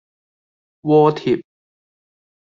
鍋貼